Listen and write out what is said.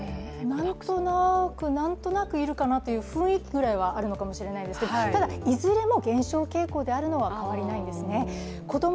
なんとなく、なんとなくいるかなという雰囲気くらいはあるのかもしれませんが、ただ、いずれも減少傾向であるのは変わりないですね。